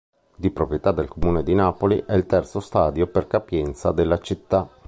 Di proprietà del Comune di Napoli, è il terzo stadio per capienza della città.